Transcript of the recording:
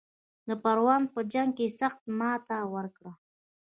د پروان په جنګ کې سخته ماته ورکړه.